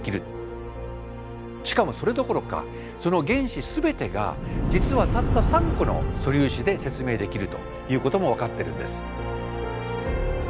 しかもそれどころかその原子すべてが実はたった３個の「素粒子」で説明できるということも分かってるんです。